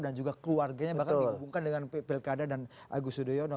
dan juga keluarganya bahkan dihubungkan dengan pilkada dan agus sudhoyono